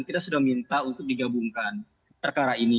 kita sudah minta untuk digabungkan perkara ini